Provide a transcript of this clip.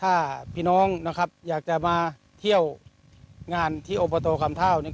ถ้าพี่น้องนะครับอยากจะมาเที่ยวงานที่อบตคำเท่าเนี่ย